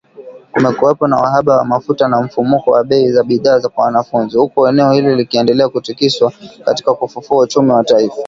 Kumekuwepo na uhaba wa mafuta na mfumuko wa bei za bidhaa kwa wanunuzi, huku eneo hilo likiendelea kutikiswa katika kufufua uchumi wa taifa